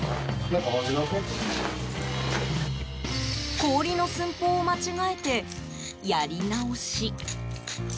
氷の寸法を間違えてやり直し。